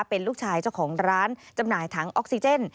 เป็นลูกชายเจ้าของร้านจำหน่ายถังออกซิเจน